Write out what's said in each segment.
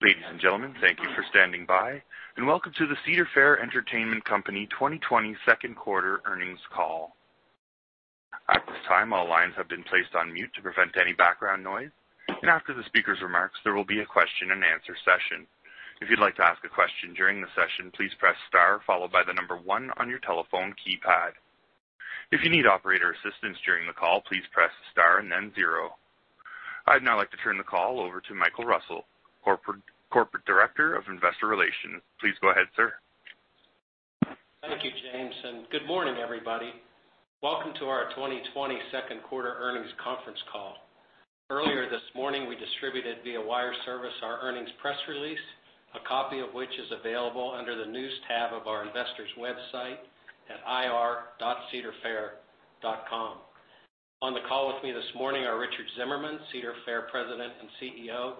Ladies and gentlemen, thank you for standing by, and welcome to the Cedar Fair Entertainment Company 2022 second quarter earnings call. At this time, all lines have been placed on mute to prevent any background noise, and after the speaker's remarks, there will be a question-and-answer session. If you'd like to ask a question during the session, please press star followed by the number one on your telephone keypad. If you need operator assistance during the call, please press star and then zero. I'd now like to turn the call over to Michael Russell, Corporate Director of Investor Relations. Please go ahead, sir. Thank you, James, and good morning, everybody. Welcome to our 2022 second quarter earnings conference call. Earlier this morning, we distributed via wire service our earnings press release, a copy of which is available under the News tab of our investors' website at ir.cedarfair.com. On the call with me this morning are Richard Zimmerman, Cedar Fair President and CEO,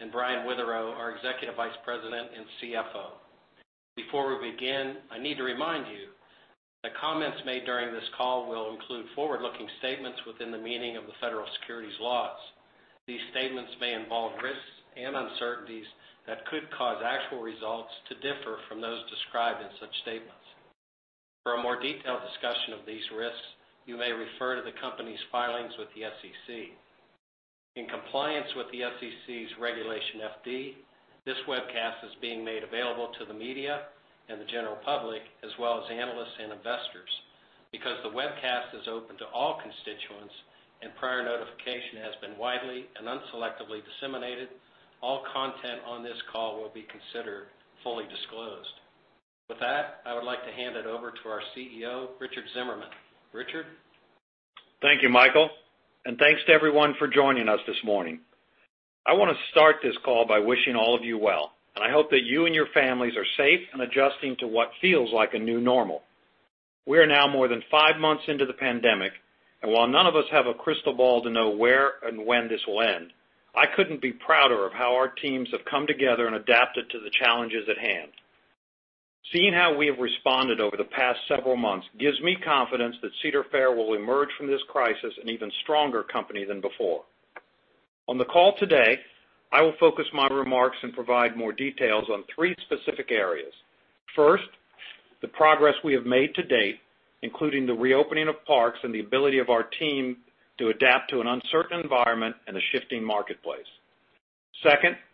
and Brian Witherow, our Executive Vice President and CFO. Before we begin, I need to remind you that comments made during this call will include forward-looking statements within the meaning of the federal securities laws. These statements may involve risks and uncertainties that could cause actual results to differ from those described in such statements. For a more detailed discussion of these risks, you may refer to the company's filings with the SEC. In compliance with the SEC's Regulation FD, this webcast is being made available to the media and the general public, as well as analysts and investors. Because the webcast is open to all constituents and prior notification has been widely and unselectively disseminated, all content on this call will be considered fully disclosed. With that, I would like to hand it over to our CEO, Richard Zimmerman. Richard? Thank you, Michael, and thanks to everyone for joining us this morning. I want to start this call by wishing all of you well, and I hope that you and your families are safe and adjusting to what feels like a new normal. We are now more than five months into the pandemic, and while none of us have a crystal ball to know where and when this will end, I couldn't be prouder of how our teams have come together and adapted to the challenges at hand. Seeing how we have responded over the past several months gives me confidence that Cedar Fair will emerge from this crisis an even stronger company than before. On the call today, I will focus my remarks and provide more details on three specific areas. First, the progress we have made to date, including the reopening of parks and the ability of our team to adapt to an uncertain environment and a shifting marketplace. Second, the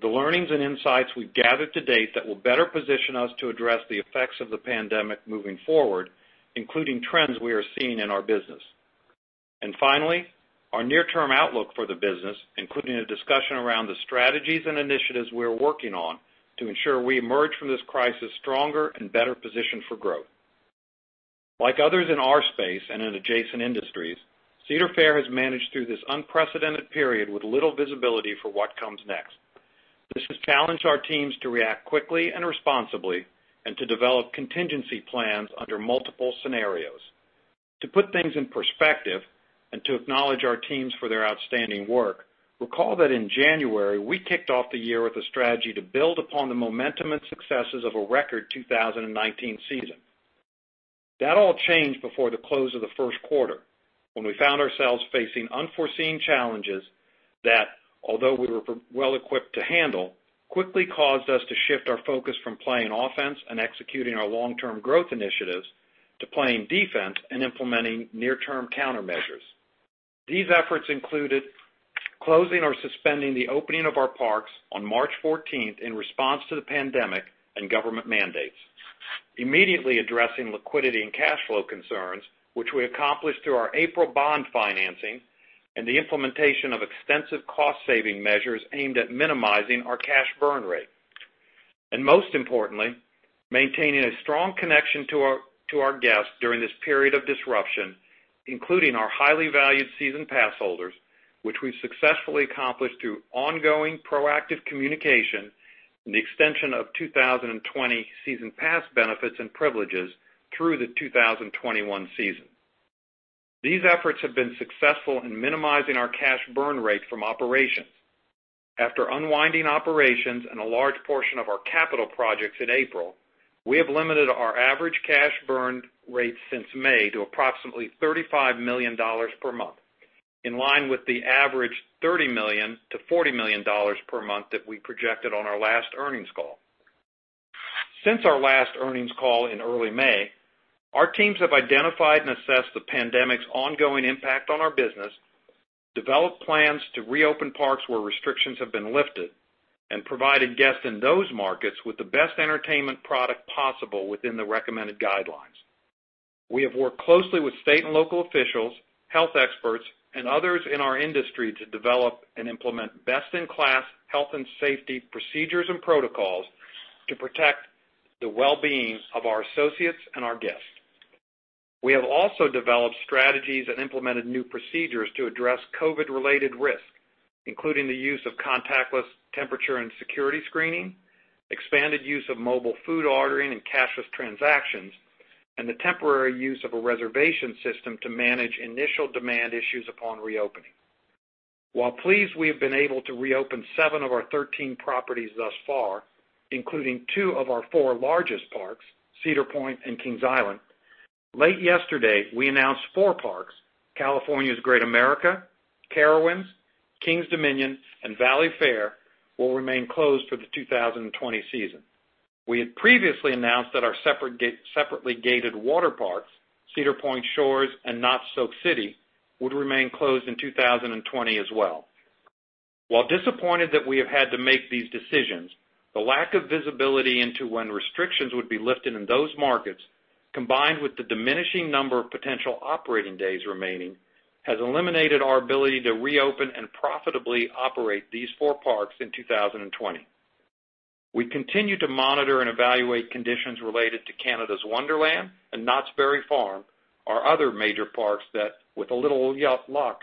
learnings and insights we've gathered to date that will better position us to address the effects of the pandemic moving forward, including trends we are seeing in our business. And finally, our near-term outlook for the business, including a discussion around the strategies and initiatives we are working on to ensure we emerge from this crisis stronger and better positioned for growth. Like others in our space and in adjacent industries, Cedar Fair has managed through this unprecedented period with little visibility for what comes next. This has challenged our teams to react quickly and responsibly and to develop contingency plans under multiple scenarios. To put things in perspective and to acknowledge our teams for their outstanding work, recall that in January, we kicked off the year with a strategy to build upon the momentum and successes of a record 2019 season. That all changed before the close of the first quarter, when we found ourselves facing unforeseen challenges that, although we were well equipped to handle, quickly caused us to shift our focus from playing offense and executing our long-term growth initiatives, to playing defense and implementing near-term countermeasures. These efforts included closing or suspending the opening of our parks on March 14th in response to the pandemic and government mandates. Immediately addressing liquidity and cash flow concerns, which we accomplished through our April bond financing and the implementation of extensive cost-saving measures aimed at minimizing our cash burn rate. Most importantly, maintaining a strong connection to our guests during this period of disruption, including our highly valued season pass holders, which we've successfully accomplished through ongoing proactive communication and the extension of 2020 season pass benefits and privileges through the 2021 season. These efforts have been successful in minimizing our cash burn rate from operations. After unwinding operations and a large portion of our capital projects in April, we have limited our average cash burn rate since May to approximately $35 million per month, in line with the average $30 million-$40 million per month that we projected on our last earnings call. Since our last earnings call in early May, our teams have identified and assessed the pandemic's ongoing impact on our business, developed plans to reopen parks where restrictions have been lifted, and provided guests in those markets with the best entertainment product possible within the recommended guidelines. We have worked closely with state and local officials, health experts, and others in our industry to develop and implement best-in-class health and safety procedures and protocols to protect the well-being of our associates and our guests. We have also developed strategies and implemented new procedures to address COVID-related risks, including the use of contactless temperature and security screening, expanded use of mobile food ordering and cashless transactions, and the temporary use of a reservation system to manage initial demand issues upon reopening. While pleased we have been able to reopen seven of our thirteen properties thus far, including two of our four largest parks, Cedar Point and Kings Island. Late yesterday, we announced four parks, California's Great America, Carowinds, Kings Dominion, and Valleyfair, will remain closed for the 2020 season. We had previously announced that our separately gated water parks, Cedar Point Shores and Knott's Soak City, would remain closed in 2020 as well. While disappointed that we have had to make these decisions, the lack of visibility into when restrictions would be lifted in those markets, combined with the diminishing number of potential operating days remaining, has eliminated our ability to reopen and profitably operate these four parks in 2020. We continue to monitor and evaluate conditions related to Canada's Wonderland and Knott's Berry Farm, our other major parks that, with a little, yeah, luck,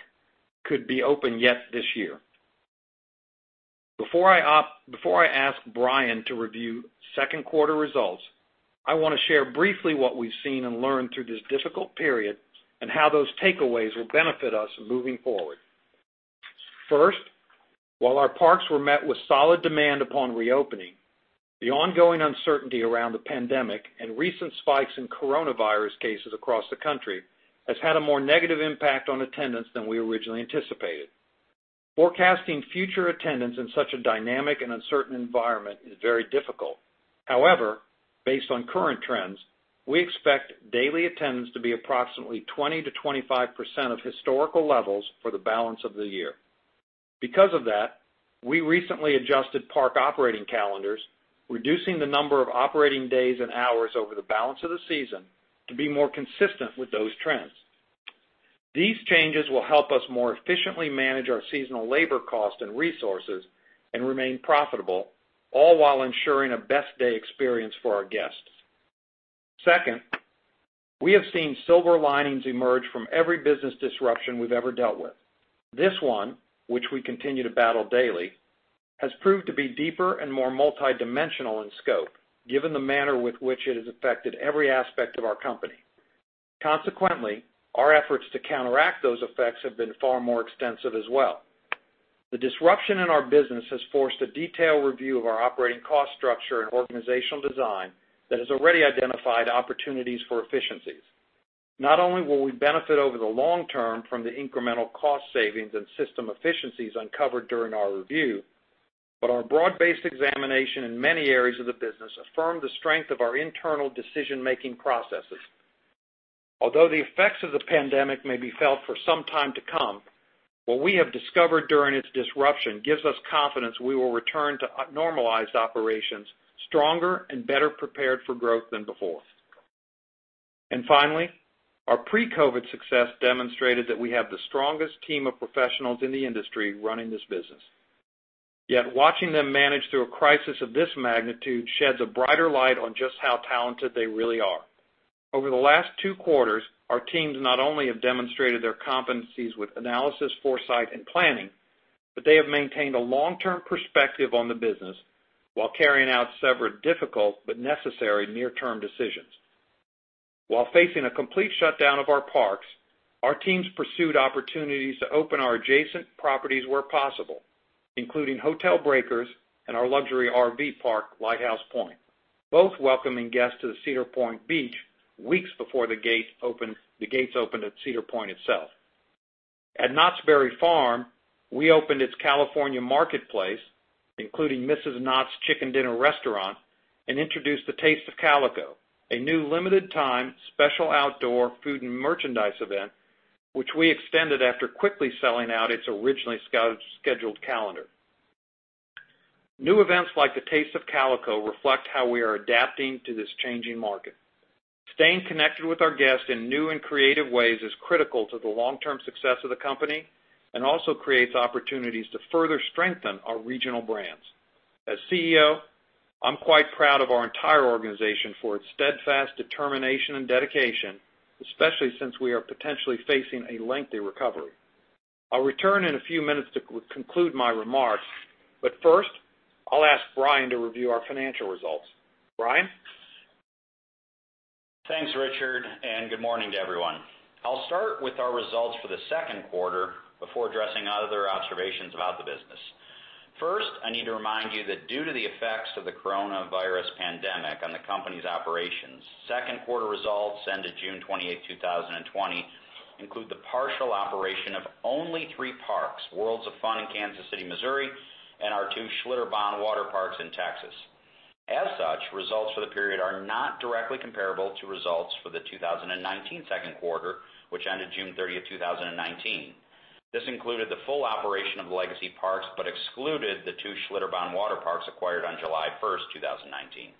could be open yet this year. Before I ask Brian to review second quarter results, I wanna share briefly what we've seen and learned through this difficult period, and how those takeaways will benefit us moving forward. First, while our parks were met with solid demand upon reopening, the ongoing uncertainty around the pandemic and recent spikes in coronavirus cases across the country, has had a more negative impact on attendance than we originally anticipated. Forecasting future attendance in such a dynamic and uncertain environment is very difficult. However, based on current trends, we expect daily attendance to be approximately 20%-25% of historical levels for the balance of the year. Because of that, we recently adjusted park operating calendars, reducing the number of operating days and hours over the balance of the season to be more consistent with those trends. These changes will help us more efficiently manage our seasonal labor cost and resources and remain profitable, all while ensuring a best day experience for our guests. Second, we have seen silver linings emerge from every business disruption we've ever dealt with. This one, which we continue to battle daily, has proved to be deeper and more multidimensional in scope, given the manner with which it has affected every aspect of our company. Consequently, our efforts to counteract those effects have been far more extensive as well. The disruption in our business has forced a detailed review of our operating cost structure and organizational design that has already identified opportunities for efficiencies. Not only will we benefit over the long term from the incremental cost savings and system efficiencies uncovered during our review, but our broad-based examination in many areas of the business affirmed the strength of our internal decision-making processes. Although the effects of the pandemic may be felt for some time to come, what we have discovered during its disruption gives us confidence we will return to normalized operations stronger and better prepared for growth than before. And finally, our pre-COVID success demonstrated that we have the strongest team of professionals in the industry running this business. Yet watching them manage through a crisis of this magnitude sheds a brighter light on just how talented they really are. Over the last two quarters, our teams not only have demonstrated their competencies with analysis, foresight, and planning, but they have maintained a long-term perspective on the business while carrying out several difficult but necessary near-term decisions. While facing a complete shutdown of our parks, our teams pursued opportunities to open our adjacent properties where possible, including Hotel Breakers and our luxury RV park, Lighthouse Point, both welcoming guests to the Cedar Point Beach weeks before the gates opened at Cedar Point itself. At Knott's Berry Farm, we opened its California Marketplace, including Mrs. Knott's Chicken Dinner Restaurant, and introduced the Taste of Calico, a new limited-time special outdoor food and merchandise event, which we extended after quickly selling out its originally scheduled calendar. New events like the Taste of Calico reflect how we are adapting to this changing market. Staying connected with our guests in new and creative ways is critical to the long-term success of the company and also creates opportunities to further strengthen our regional brands. As CEO, I'm quite proud of our entire organization for its steadfast determination and dedication, especially since we are potentially facing a lengthy recovery. I'll return in a few minutes to conclude my remarks, but first, I'll ask Brian to review our financial results. Brian? Thanks, Richard, and good morning to everyone. I'll start with our results for the second quarter before addressing other observations about the business. First, I need to remind you that due to the effects of the coronavirus pandemic on the company's operations, second quarter results ended June 28, 2020, include the partial operation of only three parks, Worlds of Fun in Kansas City, Missouri, and our two Schlitterbahn Waterparks in Texas. As such, results for the period are not directly comparable to results for the 2019 second quarter, which ended June 13th, 2019. This included the full operation of Legacy Parks, but excluded the two Schlitterbahn Waterparks acquired on July 1st, 2019.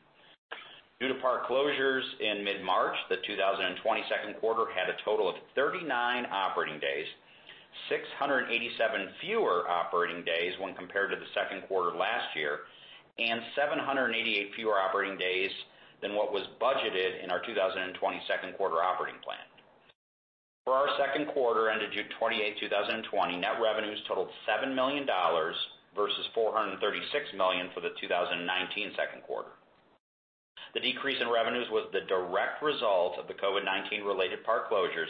Due to park closures in mid-March, the 2020 second quarter had a total of 39 operating days, 687 fewer operating days when compared to the second quarter last year, and 788 fewer operating days than what was budgeted in our 2020 second quarter operating plan. For our second quarter, ended June 28, 2020, net revenues totaled $7 million versus $436 million for the 2019 second quarter. The decrease in revenues was the direct result of the COVID-19 related park closures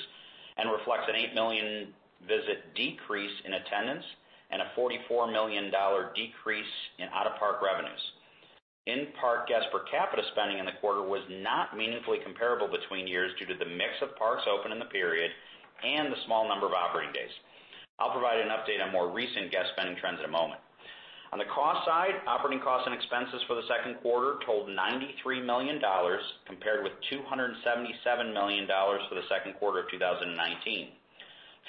and reflects an 8 million-visit decrease in attendance and a $44 million decrease in out-of-park revenues. In-park guest per capita spending in the quarter was not meaningfully comparable between years due to the mix of parks open in the period and the small number of operating days. I'll provide an update on more recent guest spending trends in a moment. On the cost side, operating costs and expenses for the second quarter totaled $93 million, compared with $277 million for the second quarter of 2019.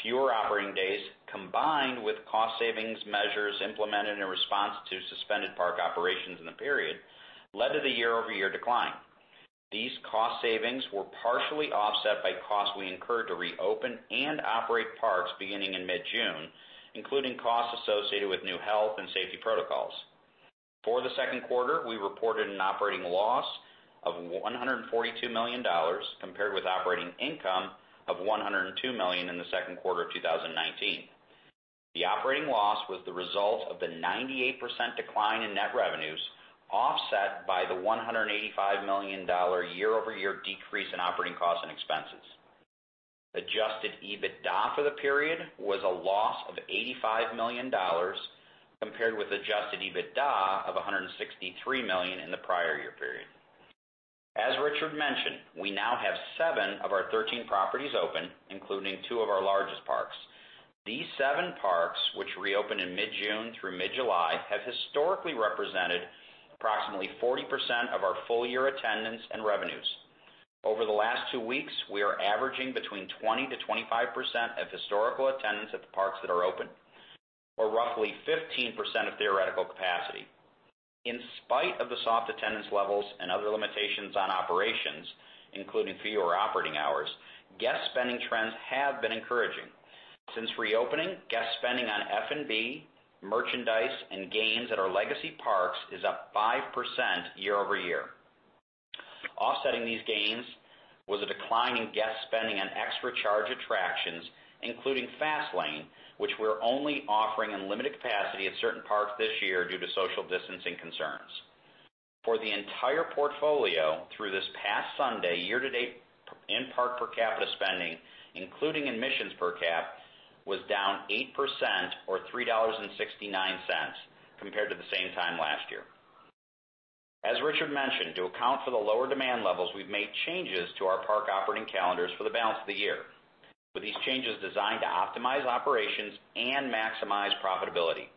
Fewer operating days, combined with cost savings measures implemented in response to suspended park operations in the period, led to the year-over-year decline. These cost savings were partially offset by costs we incurred to reopen and operate parks beginning in mid-June, including costs associated with new health and safety protocols. For the second quarter, we reported an operating loss of $142 million, compared with operating income of $102 million in the second quarter of 2019. The operating loss was the result of the 98% decline in net revenues, offset by the $185 million year-over-year decrease in operating costs and expenses. Adjusted EBITDA for the period was a loss of $85 million, compared with adjusted EBITDA of $163 million in the prior year period. As Richard mentioned, we now have seven of our 13 properties open, including two of our largest parks. These seven parks, which reopened in mid-June through mid-July, have historically represented approximately 40% of our full-year attendance and revenues. Over the last two weeks, we are averaging between 20%-25% of historical attendance at the parks that are open, or roughly 15% of theoretical capacity. In spite of the soft attendance levels and other limitations on operations, including fewer operating hours, guest spending trends have been encouraging. Since reopening, guest spending on F&B, merchandise, and games at our legacy parks is up 5% year over year. Offsetting these gains was a decline in guest spending on extra charge attractions, including Fast Lane, which we're only offering in limited capacity at certain parks this year due to social distancing concerns. For the entire portfolio, through this past Sunday, year-to-date in-park per capita spending, including admissions per cap, was down 8% or $3.69 compared to the same time last year. As Richard mentioned, to account for the lower demand levels, we've made changes to our park operating calendars for the balance of the year, with these changes designed to optimize operations and maximize profitability.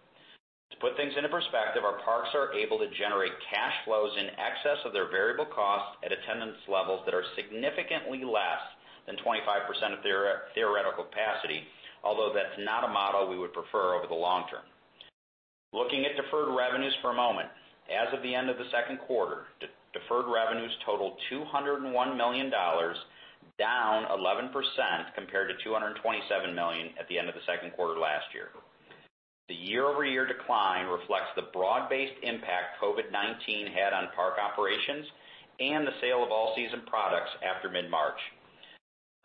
To put things into perspective, our parks are able to generate cash flows in excess of their variable costs at attendance levels that are significantly less than 25% of theoretical capacity, although that's not a model we would prefer over the long term. Looking at deferred revenues for a moment. As of the end of the second quarter, deferred revenues totaled $201 million, down 11% compared to $227 million at the end of the second quarter last year. The year-over-year decline reflects the broad-based impact COVID-19 had on park operations and the sale of all-season products after mid-March.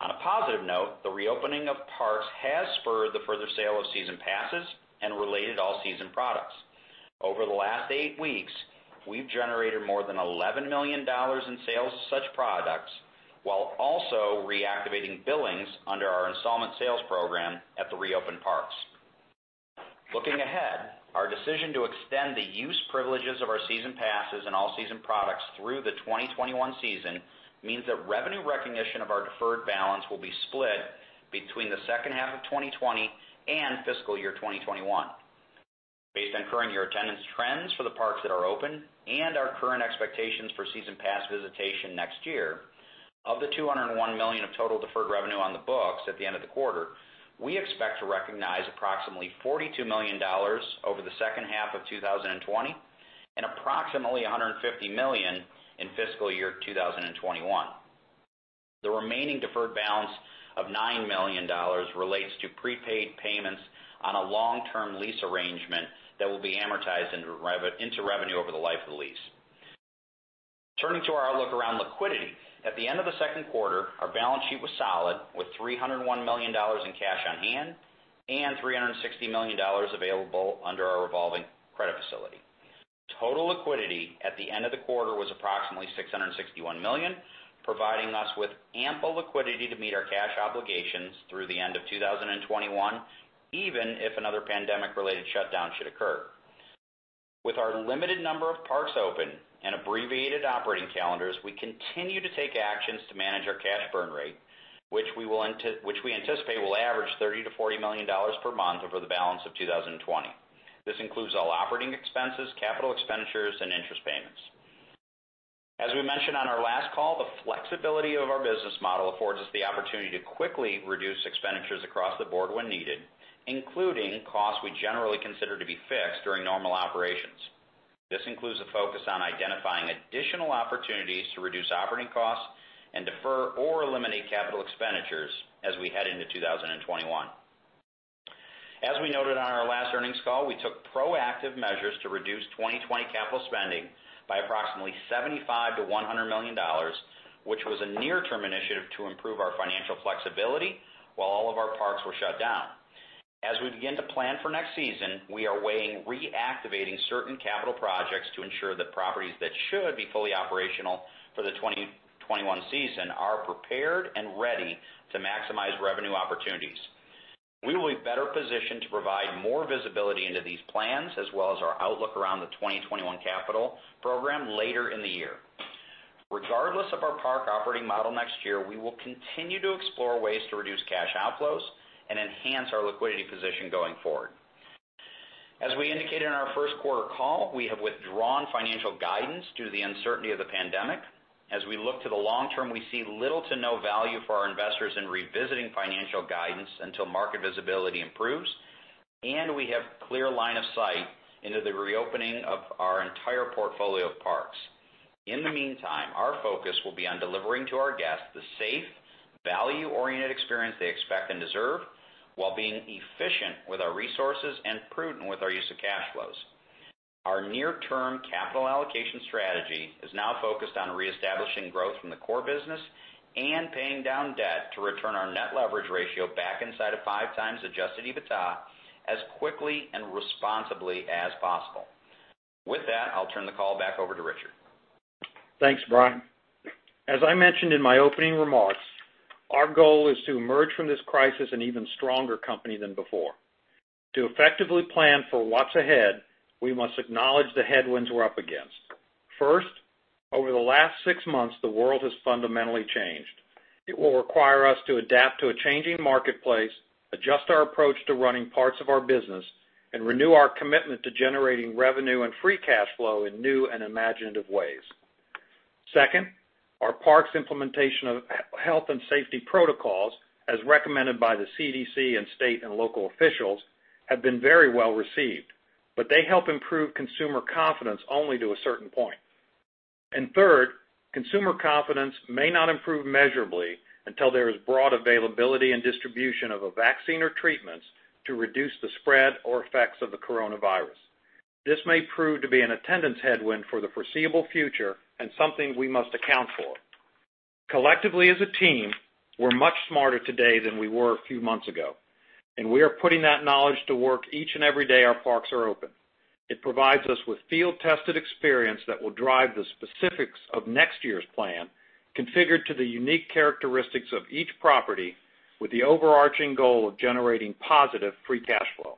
On a positive note, the reopening of parks has spurred the further sale of season passes and related all-season products. Over the last eight weeks, we've generated more than $11 million in sales of such products, while also reactivating billings under our installment sales program at the reopened parks. Looking ahead, our decision to extend the use privileges of our season passes and all-season products through the 2021 season means that revenue recognition of our deferred balance will be split between the second half of 2020 and fiscal year 2021. Based on current year attendance trends for the parks that are open and our current expectations for season pass visitation next year, of the $201 million of total deferred revenue on the books at the end of the quarter, we expect to recognize approximately $42 million over the second half of 2020, and approximately $150 million in fiscal year 2021. The remaining deferred balance of $9 million relates to prepaid payments on a long-term lease arrangement that will be amortized into revenue over the life of the lease. Turning to our outlook around liquidity. At the end of the second quarter, our balance sheet was solid, with $301 million in cash on hand and $360 million available under our revolving credit facility. Total liquidity at the end of the quarter was approximately $661 million, providing us with ample liquidity to meet our cash obligations through the end of 2021, even if another pandemic-related shutdown should occur. With our limited number of parks open and abbreviated operating calendars, we continue to take actions to manage our cash burn rate, which we anticipate will average $30 million-$40 million per month over the balance of 2020. This includes all operating expenses, capital expenditures, and interest payments. As we mentioned on our last call, the flexibility of our business model affords us the opportunity to quickly reduce expenditures across the board when needed, including costs we generally consider to be fixed during normal operations. This includes a focus on identifying additional opportunities to reduce operating costs and defer or eliminate capital expenditures as we head into 2021. As we noted on our last earnings call, we took proactive measures to reduce 2020 capital spending by approximately $75 million-$100 million, which was a near-term initiative to improve our financial flexibility while all of our parks were shut down. As we begin to plan for next season, we are weighing reactivating certain capital projects to ensure that properties that should be fully operational for the 2021 season are prepared and ready to maximize revenue opportunities. We will be better positioned to provide more visibility into these plans, as well as our outlook around the 2021 capital program later in the year. Regardless of our park operating model next year, we will continue to explore ways to reduce cash outflows and enhance our liquidity position going forward. As we indicated in our first quarter call, we have withdrawn financial guidance due to the uncertainty of the pandemic. As we look to the long term, we see little to no value for our investors in revisiting financial guidance until market visibility improves, and we have clear line of sight into the reopening of our entire portfolio of parks. In the meantime, our focus will be on delivering to our guests the safe, value-oriented experience they expect and deserve, while being efficient with our resources and prudent with our use of cash flows. Our near-term capital allocation strategy is now focused on reestablishing growth from the core business and paying down debt to return our net leverage ratio back inside of five times Adjusted EBITDA as quickly and responsibly as possible. With that, I'll turn the call back over to Richard. Thanks, Brian. As I mentioned in my opening remarks, our goal is to emerge from this crisis an even stronger company than before. To effectively plan for what's ahead, we must acknowledge the headwinds we're up against. First, over the last six months, the world has fundamentally changed. It will require us to adapt to a changing marketplace, adjust our approach to running parts of our business, and renew our commitment to generating revenue and free cash flow in new and imaginative ways. Second, our parks' implementation of health and safety protocols, as recommended by the CDC and state and local officials, have been very well received, but they help improve consumer confidence only to a certain point. And third, consumer confidence may not improve measurably until there is broad availability and distribution of a vaccine or treatments to reduce the spread or effects of the coronavirus. This may prove to be an attendance headwind for the foreseeable future and something we must account for. Collectively, as a team, we're much smarter today than we were a few months ago, and we are putting that knowledge to work each and every day our parks are open. It provides us with field-tested experience that will drive the specifics of next year's plan, configured to the unique characteristics of each property, with the overarching goal of generating positive free cash flow.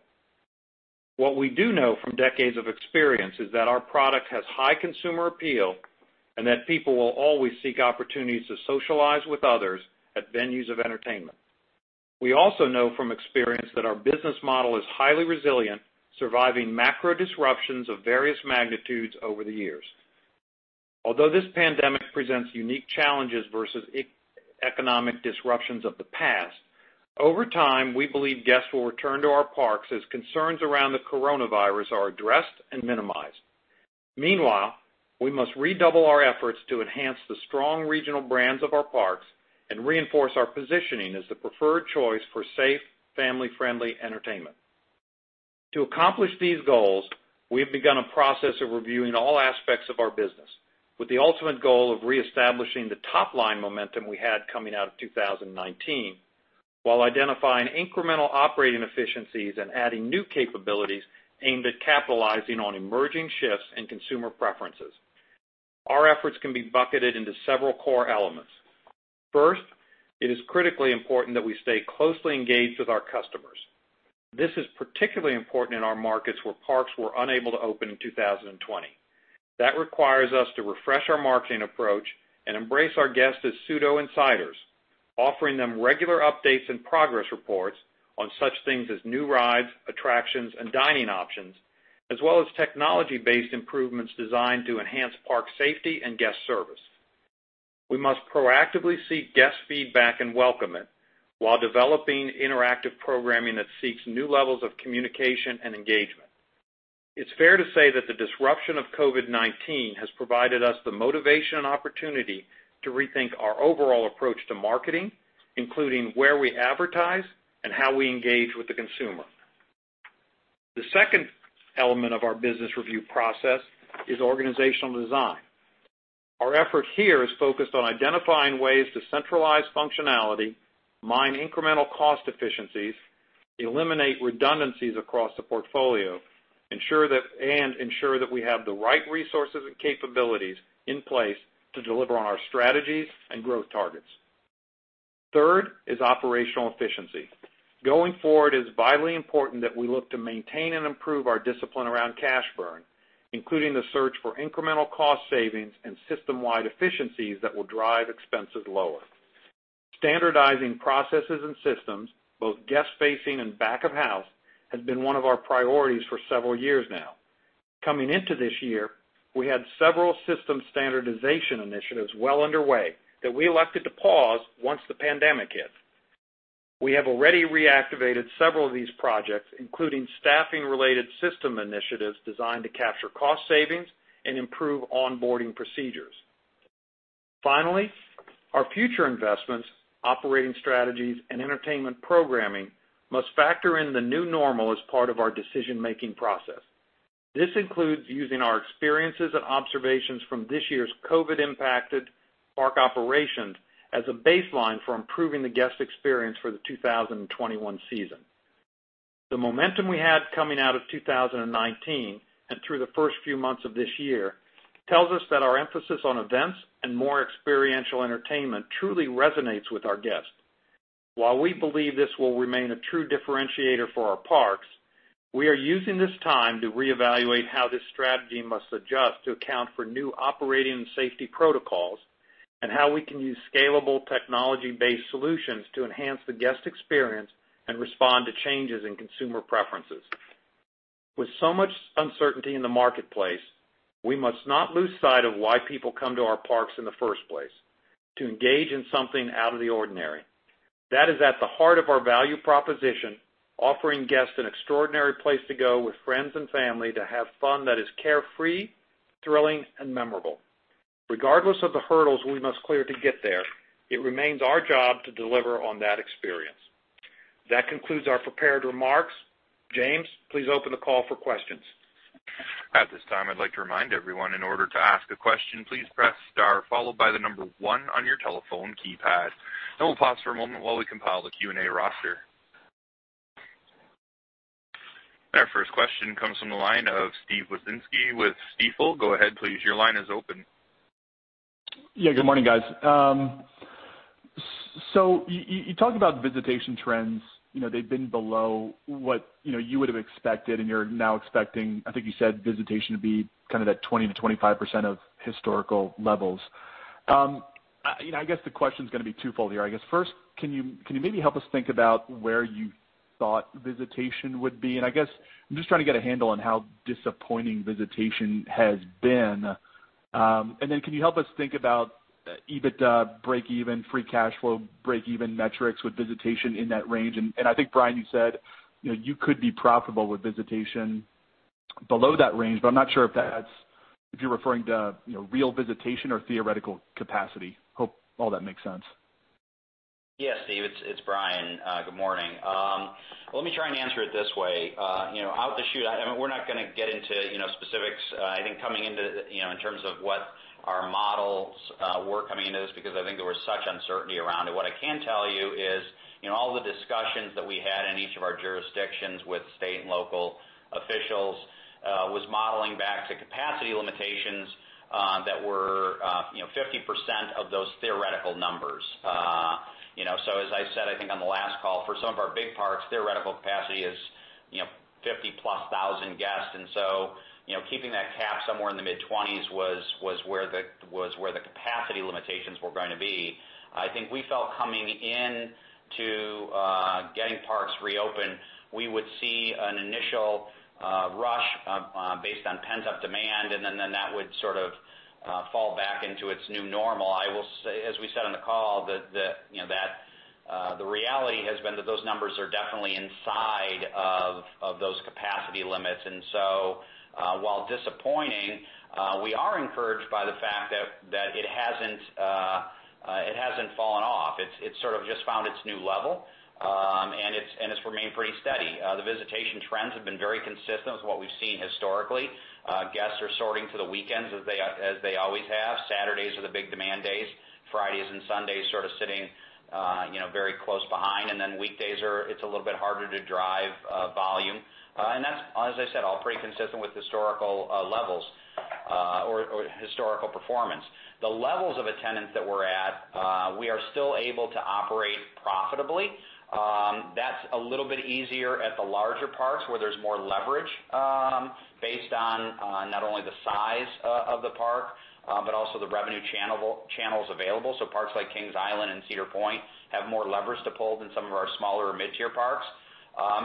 What we do know from decades of experience is that our product has high consumer appeal and that people will always seek opportunities to socialize with others at venues of entertainment. We also know from experience that our business model is highly resilient, surviving macro disruptions of various magnitudes over the years. Although this pandemic presents unique challenges versus economic disruptions of the past, over time, we believe guests will return to our parks as concerns around the coronavirus are addressed and minimized. Meanwhile, we must redouble our efforts to enhance the strong regional brands of our parks and reinforce our positioning as the preferred choice for safe, family-friendly entertainment. To accomplish these goals, we have begun a process of reviewing all aspects of our business, with the ultimate goal of reestablishing the top-line momentum we had coming out of 2019, while identifying incremental operating efficiencies and adding new capabilities aimed at capitalizing on emerging shifts in consumer preferences. Our efforts can be bucketed into several core elements. First, it is critically important that we stay closely engaged with our customers. This is particularly important in our markets where parks were unable to open in 2020. That requires us to refresh our marketing approach and embrace our guests as pseudo insiders, offering them regular updates and progress reports on such things as new rides, attractions, and dining options, as well as technology-based improvements designed to enhance park safety and guest service. We must proactively seek guest feedback and welcome it, while developing interactive programming that seeks new levels of communication and engagement. It's fair to say that the disruption of COVID-19 has provided us the motivation and opportunity to rethink our overall approach to marketing, including where we advertise and how we engage with the consumer. The second element of our business review process is organizational design. Our effort here is focused on identifying ways to centralize functionality, mine incremental cost efficiencies, eliminate redundancies across the portfolio, ensure that we have the right resources and capabilities in place to deliver on our strategies and growth targets. Third is operational efficiency. Going forward, it is vitally important that we look to maintain and improve our discipline around cash burn, including the search for incremental cost savings and system-wide efficiencies that will drive expenses lower. Standardizing processes and systems, both guest-facing and back of house, has been one of our priorities for several years now. Coming into this year, we had several system standardization initiatives well underway that we elected to pause once the pandemic hit. We have already reactivated several of these projects, including staffing-related system initiatives designed to capture cost savings and improve onboarding procedures. Finally, our future investments, operating strategies, and entertainment programming must factor in the new normal as part of our decision-making process. This includes using our experiences and observations from this year's COVID-impacted park operations as a baseline for improving the guest experience for the 2021 season....The momentum we had coming out of 2019 and through the first few months of this year, tells us that our emphasis on events and more experiential entertainment truly resonates with our guests. While we believe this will remain a true differentiator for our parks, we are using this time to reevaluate how this strategy must adjust to account for new operating and safety protocols, and how we can use scalable technology-based solutions to enhance the guest experience and respond to changes in consumer preferences. With so much uncertainty in the marketplace, we must not lose sight of why people come to our parks in the first place, to engage in something out of the ordinary. That is at the heart of our value proposition, offering guests an extraordinary place to go with friends and family to have fun that is carefree, thrilling, and memorable. Regardless of the hurdles we must clear to get there, it remains our job to deliver on that experience. That concludes our prepared remarks. James, please open the call for questions. At this time, I'd like to remind everyone, in order to ask a question, please press star followed by the number one on your telephone keypad, and we'll pause for a moment while we compile the Q&A roster. Our first question comes from the line of Steve Wieczynski with Stifel. Go ahead, please. Your line is open. Yeah, good morning, guys. So you talked about visitation trends. You know, they've been below what, you know, you would have expected, and you're now expecting, I think you said, visitation to be kind of at 20%-25% of historical levels. I, you know, I guess the question is gonna be twofold here. I guess, first, can you, can you maybe help us think about where you thought visitation would be? And I guess I'm just trying to get a handle on how disappointing visitation has been. And then can you help us think about EBITDA, breakeven, free cash flow, breakeven metrics with visitation in that range? And, and I think, Brian, you said, you know, you could be profitable with visitation below that range, but I'm not sure if that's- if you're referring to, you know, real visitation or theoretical capacity. Hope all that makes sense. Yeah, Steve, it's Brian. Good morning. Let me try and answer it this way. You know, out the shoot, I mean, we're not gonna get into, you know, specifics. I think coming into, you know, in terms of what our models were coming into this, because I think there was such uncertainty around it. What I can tell you is, you know, all the discussions that we had in each of our jurisdictions with state and local officials was modeling back to capacity limitations that were, you know, 50% of those theoretical numbers. You know, so as I said, I think on the last call, for some of our big parks, theoretical capacity is, you know, 50+ thousand guests. And so, you know, keeping that cap somewhere in the mid-twenties was where the capacity limitations were going to be. I think we felt coming in to getting parks reopened, we would see an initial rush based on pent-up demand, and then that would sort of fall back into its new normal. I will say, as we said on the call, that the, you know, that the reality has been that those numbers are definitely inside of those capacity limits. And so, while disappointing, we are encouraged by the fact that it hasn't fallen off. It sort of just found its new level, and it's remained pretty steady. The visitation trends have been very consistent with what we've seen historically. Guests are sorting to the weekends as they always have. Saturdays are the big demand days. Fridays and Sundays sort of sitting, you know, very close behind. And then weekdays are. It's a little bit harder to drive volume. And that's, as I said, all pretty consistent with historical levels or historical performance. The levels of attendance that we're at, we are still able to operate profitably. That's a little bit easier at the larger parks where there's more leverage, based on not only the size of the park, but also the revenue channels available. So parks like Kings Island and Cedar Point have more levers to pull than some of our smaller or mid-tier parks.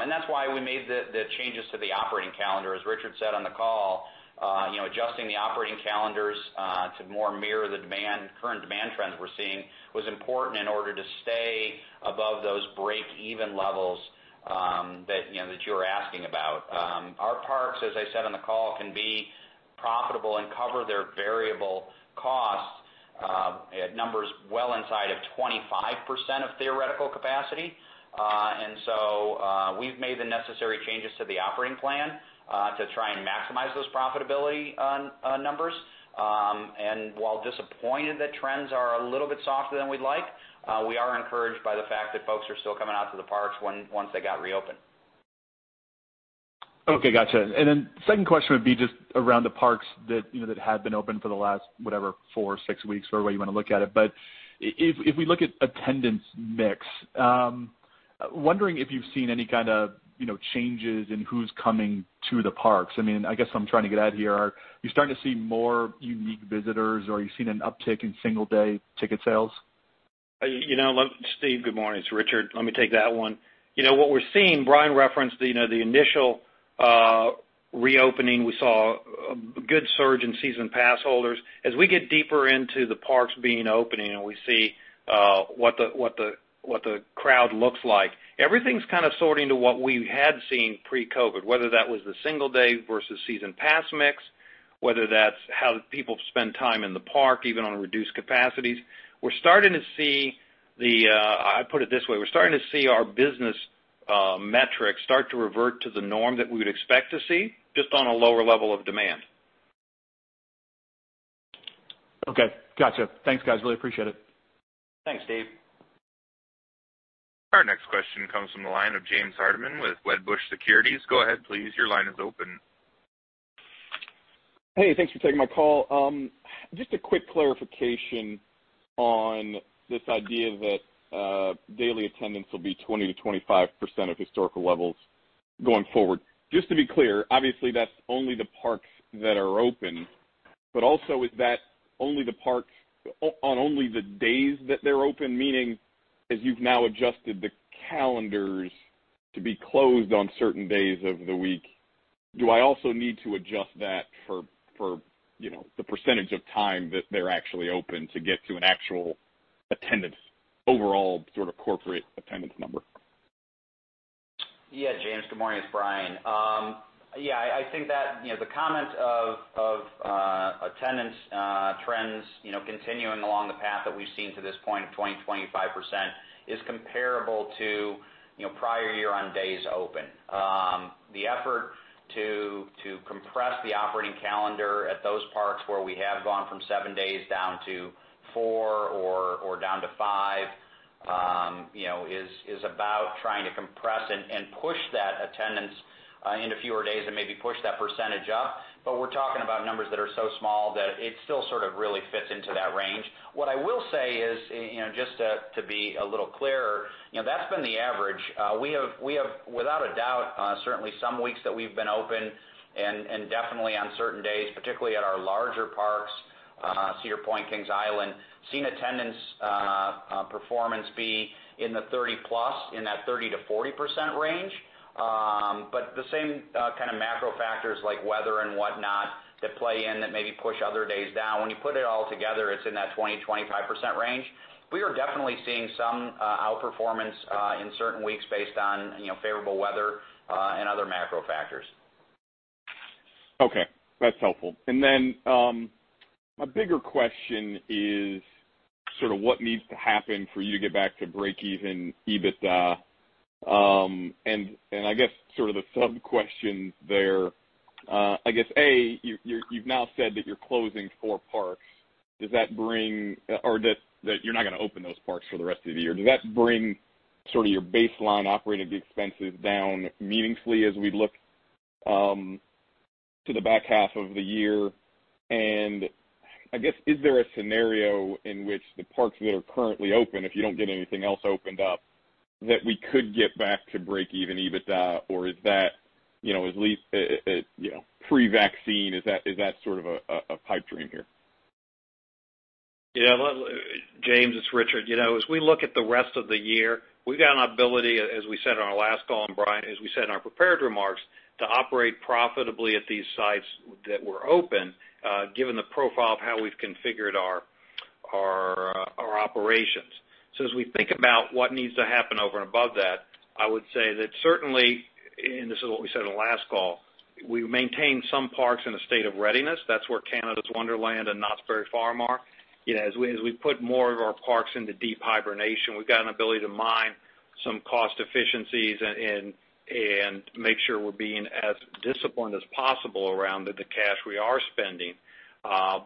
And that's why we made the changes to the operating calendar. As Richard said on the call, you know, adjusting the operating calendars to more mirror the demand, current demand trends we're seeing, was important in order to stay above those break-even levels, that, you know, that you were asking about. Our parks, as I said on the call, can be profitable and cover their variable costs at numbers well inside of 25% of theoretical capacity, and so we've made the necessary changes to the operating plan to try and maximize those profitability on numbers, and while disappointed that trends are a little bit softer than we'd like, we are encouraged by the fact that folks are still coming out to the parks once they got reopened. Okay, gotcha. And then second question would be just around the parks that, you know, that had been open for the last, whatever, four, six weeks or whatever you wanna look at it. But if we look at attendance mix, wondering if you've seen any kind of, you know, changes in who's coming to the parks? I mean, I guess what I'm trying to get at here, are you starting to see more unique visitors, or are you seeing an uptick in single-day ticket sales? You know, Steve, good morning, it's Richard. Let me take that one. You know, what we're seeing, Brian referenced the, you know, the initial reopening. We saw a good surge in season pass holders. As we get deeper into the parks being open, you know, we see what the crowd looks like. Everything's kind of sorting to what we had seen pre-COVID, whether that was the single day versus season pass mix, whether that's how people spend time in the park, even on reduced capacities. We're starting to see the. I'll put it this way, we're starting to see our business metrics start to revert to the norm that we would expect to see, just on a lower level of demand.... Okay, gotcha. Thanks, guys, really appreciate it. Thanks, Dave. Our next question comes from the line of James Hardiman with Wedbush Securities. Go ahead, please. Your line is open. Hey, thanks for taking my call. Just a quick clarification on this idea that daily attendance will be 20%-25% of historical levels going forward. Just to be clear, obviously, that's only the parks that are open, but also is that only the parks on only the days that they're open? Meaning, as you've now adjusted the calendars to be closed on certain days of the week, do I also need to adjust that for, you know, the percentage of time that they're actually open to get to an actual attendance, overall sort of corporate attendance number? Yeah, James, good morning, it's Brian. Yeah, I think that, you know, the comment of attendance trends, you know, continuing along the path that we've seen to this point of 20%-25% is comparable to, you know, prior year on days open. The effort to compress the operating calendar at those parks where we have gone from seven days down to four or down to five, you know, is about trying to compress and push that attendance into fewer days and maybe push that percentage up, but we're talking about numbers that are so small that it still sort of really fits into that range. What I will say is, you know, just to be a little clearer, you know, that's been the average. We have, without a doubt, certainly some weeks that we've been open and definitely on certain days, particularly at our larger parks, Cedar Point, Kings Island, seen attendance performance be in the 30+, in that 30%-40% range. But the same kind of macro factors like weather and whatnot that play in that maybe push other days down. When you put it all together, it's in that 20%-25% range. We are definitely seeing some outperformance in certain weeks based on, you know, favorable weather and other macro factors. Okay, that's helpful. And then, my bigger question is sort of what needs to happen for you to get back to breakeven EBITDA? And I guess sort of the sub-question there, I guess A, you've now said that you're closing four parks or that you're not gonna open those parks for the rest of the year. Does that bring sort of your baseline operating expenses down meaningfully as we look to the back half of the year? And I guess, is there a scenario in which the parks that are currently open, if you don't get anything else opened up, that we could get back to breakeven EBITDA, or is that, you know, at least, you know, pre-vaccine, is that sort of a pipe dream here? Yeah, well, James, it's Richard. You know, as we look at the rest of the year, we've got an ability, as we said on our last call, and Brian, as we said in our prepared remarks, to operate profitably at these sites that we're open, given the profile of how we've configured our operations. So as we think about what needs to happen over and above that, I would say that certainly, and this is what we said on the last call, we maintain some parks in a state of readiness. That's where Canada's Wonderland and Knott's Berry Farm are. You know, as we put more of our parks into deep hibernation, we've got an ability to mine some cost efficiencies and make sure we're being as disciplined as possible around the cash we are spending.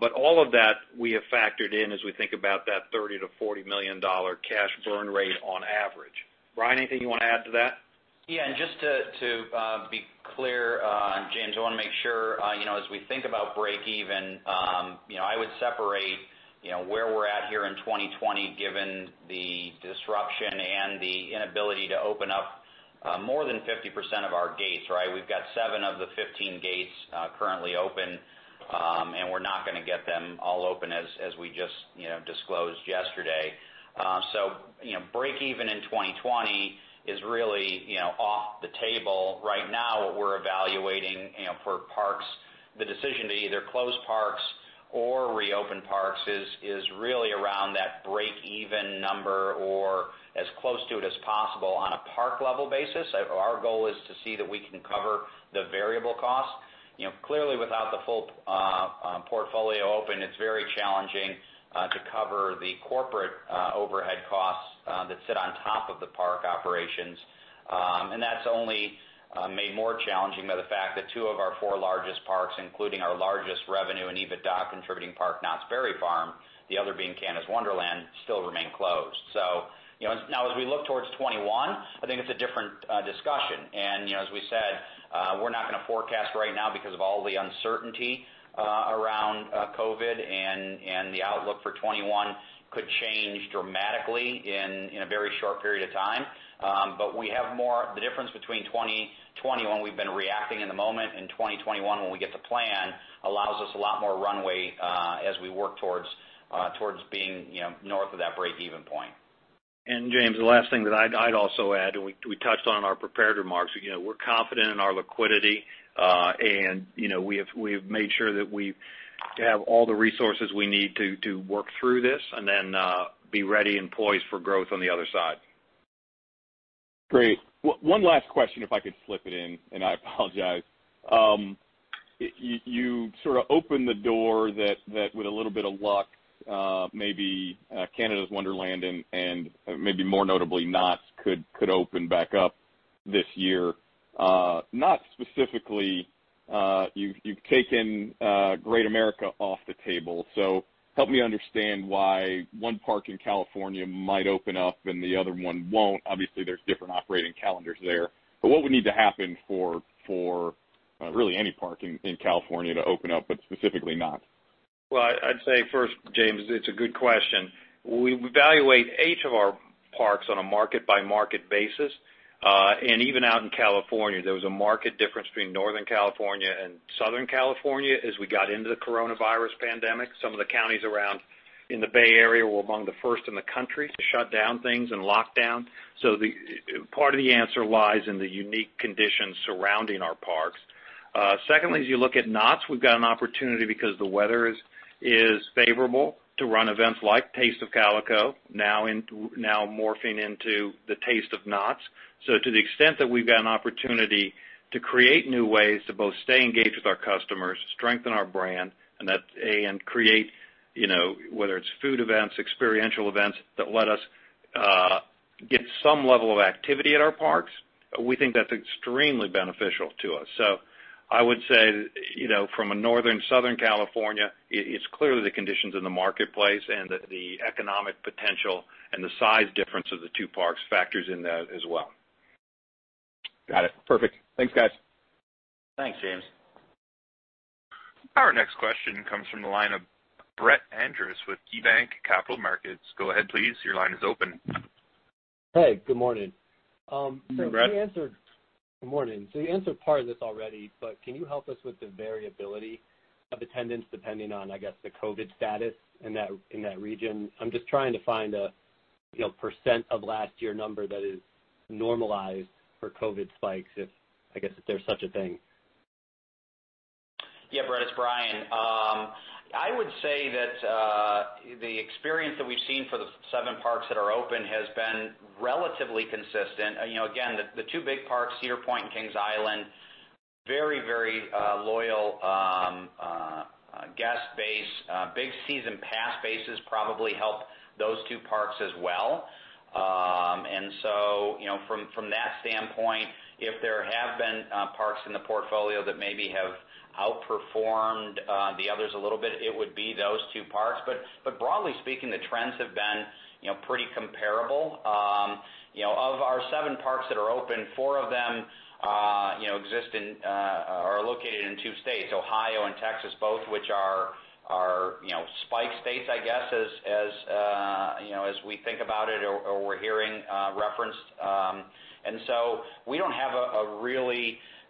But all of that we have factored in as we think about that $30 million-$40 million cash burn rate on average. Brian, anything you wanna add to that? Yeah, and just to be clear, James, I wanna make sure, you know, as we think about break-even, you know, I would separate, you know, where we're at here in 2020, given the disruption and the inability to open up more than 50% of our gates, right? We've got seven of the 15 gates currently open, and we're not gonna get them all open as we just, you know, disclosed yesterday. So, you know, break-even in 2020 is really, you know, off the table. Right now, what we're evaluating, you know, for parks, the decision to either close parks or reopen parks is really around that break-even number or as close to it as possible on a park level basis. Our goal is to see that we can cover the variable costs. You know, clearly, without the full portfolio open, it's very challenging to cover the corporate overhead costs that sit on top of the park operations. And that's only made more challenging by the fact that two of our four largest parks, including our largest revenue and EBITDA-contributing park, Knott's Berry Farm, the other being Canada's Wonderland, still remain closed. So, you know, now, as we look towards 2021, I think it's a different discussion. And, you know, as we said, we're not gonna forecast right now because of all the uncertainty around COVID and the outlook for 2021 could change dramatically in a very short period of time. But we have more. The difference between 2020, when we've been reacting in the moment, and 2021, when we get to plan, allows us a lot more runway as we work towards being, you know, north of that break- even point. James, the last thing that I'd also add, and we touched on in our prepared remarks, you know, we're confident in our liquidity. You know, we have made sure that we have all the resources we need to work through this and then, be ready and poised for growth on the other side. Great. One last question, if I could slip it in, and I apologize. You sort of opened the door that with a little bit of luck, maybe Canada's Wonderland and maybe more notably Knott's could open back up this year. Not specifically, you've taken Great America off the table. So help me understand why one park in California might open up and the other one won't. Obviously, there's different operating calendars there, but what would need to happen for really any park in California to open up, but specifically Knott's? Well, I'd say first, James, it's a good question. We evaluate each of our parks on a market-by-market basis. And even out in California, there was a market difference between Northern California and Southern California as we got into the coronavirus pandemic. Some of the counties around in the Bay Area were among the first in the country to shut down things and lock down. So the part of the answer lies in the unique conditions surrounding our parks. Secondly, as you look at Knott's, we've got an opportunity because the weather is favorable to run events like Taste of Calico, now morphing into the Taste of Knott's. So to the extent that we've got an opportunity to create new ways to both stay engaged with our customers, strengthen our brand, and create, you know, whether it's food events, experiential events, that let us get some level of activity at our parks, we think that's extremely beneficial to us. So I would say, you know, from a Northern, Southern California, it, it's clearly the conditions in the marketplace and the economic potential and the size difference of the two parks factors in that as well. Got it. Perfect. Thanks, guys. Thanks, James. Our next question comes from the line of Brett Andress with KeyBanc Capital Markets. Go ahead, please. Your line is open. Hey, good morning. Hey, Brett. So you answered - good morning. So you answered part of this already, but can you help us with the variability of attendance, depending on, I guess, the COVID status in that, in that region? I'm just trying to find a, you know, percent of last year number that is normalized for COVID spikes, if, I guess, if there's such a thing. Yeah, Brett, it's Brian. I would say that the experience that we've seen for the seven parks that are open has been relatively consistent. You know, again, the two big parks, Cedar Point and Kings Island, very, very loyal guest base. Big season pass bases probably help those two parks as well. And so, you know, from that standpoint, if there have been parks in the portfolio that maybe have outperformed the others a little bit, it would be those two parks. But broadly speaking, the trends have been, you know, pretty comparable. You know, of our seven parks that are open, four of them, you know, are located in two states, Ohio and Texas, both, which are, you know, spike states, I guess, as, you know, as we think about it or we're hearing referenced. And so,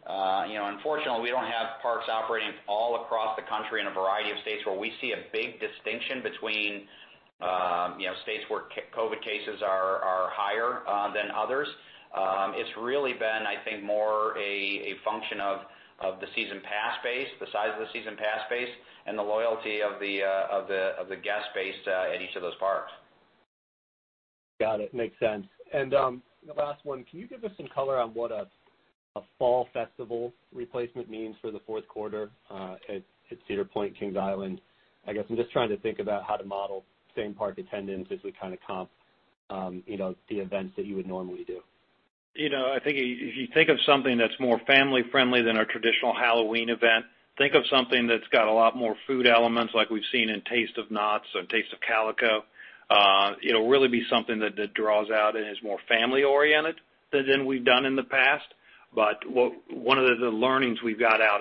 unfortunately, we don't have parks operating all across the country in a variety of states where we see a big distinction between, you know, states where COVID cases are higher than others. It's really been, I think, more a function of the season pass base, the size of the season pass base, and the loyalty of the guest base at each of those parks. Got it. Makes sense. And, the last one, can you give us some color on what a fall festival replacement means for the fourth quarter at Cedar Point, Kings Island? I guess I'm just trying to think about how to model same park attendance as we kind of comp, you know, the events that you would normally do. You know, I think if you think of something that's more family friendly than our traditional Halloween event, think of something that's got a lot more food elements, like we've seen in Taste of Knott's or Taste of Calico. It'll really be something that draws out and is more family oriented than we've done in the past. One of the learnings we've got out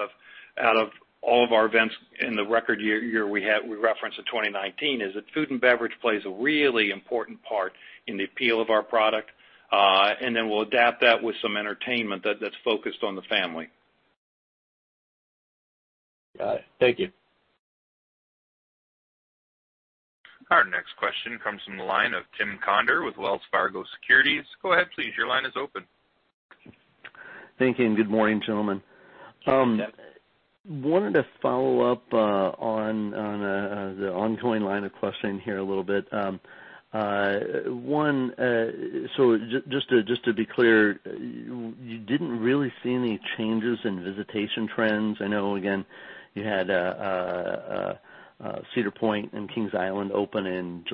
of all of our events in the record year we referenced in 2019 is that food and beverage plays a really important part in the appeal of our product. And then we'll adapt that with some entertainment that's focused on the family. Got it. Thank you. Our next question comes from the line of Tim Conder with Wells Fargo Securities. Go ahead, please. Your line is open. Thank you, and good morning, gentlemen. Wanted to follow up on the ongoing line of questioning here a little bit. One, so just to, just to be clear, you didn't really see any changes in visitation trends? I know, again, you had Cedar Point and Kings Island open in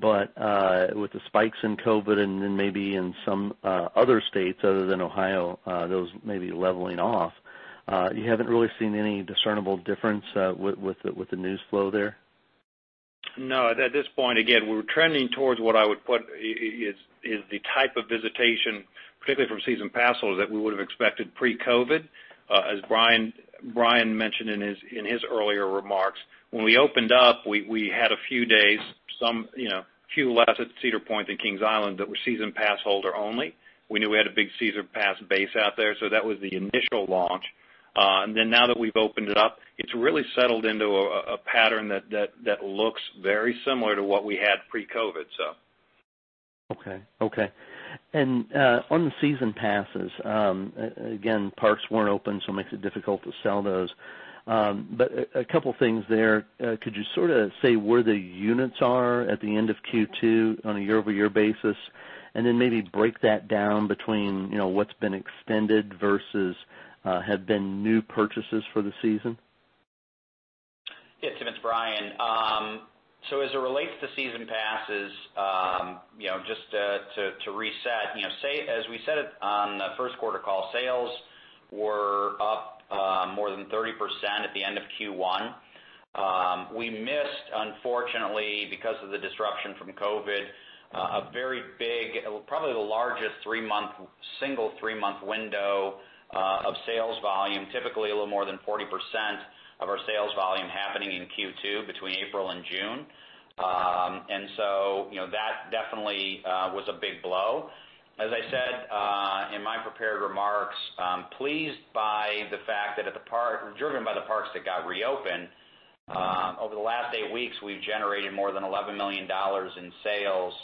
July, but with the spikes in COVID and then maybe in some other states other than Ohio, those may be leveling off, you haven't really seen any discernible difference with the news flow there? No, at this point, again, we're trending towards what I would put is the type of visitation, particularly from season pass holders, that we would have expected pre-COVID. As Brian mentioned in his earlier remarks, when we opened up, we had a few days, some, you know, a few less at Cedar Point and Kings Island that were season pass holder only. We knew we had a big season pass base out there, so that was the initial launch. And then now that we've opened it up, it's really settled into a pattern that looks very similar to what we had pre-COVID, so. Okay. Okay. And on the season passes, again, parks weren't open, so it makes it difficult to sell those. But a couple things there, could you sort of say where the units are at the end of Q2 on a year-over-year basis, and then maybe break that down between, you know, what's been extended versus have been new purchases for the season?... Yeah, Tim, it's Brian. So as it relates to season passes, you know, just to reset, you know, say, as we said it on the first quarter call, sales were up more than 30% at the end of Q1. We missed, unfortunately, because of the disruption from COVID, a very big, probably the largest three-month window of sales volume, typically a little more than 40% of our sales volume happening in Q2, between April and June. And so, you know, that definitely was a big blow. As I said in my prepared remarks, pleased by the fact that at the parks driven by the parks that got reopened over the last eight weeks, we've generated more than $11 million in sales